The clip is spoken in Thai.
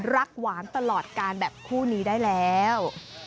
หวานตลอดการแบบคู่นี้ได้แล้ว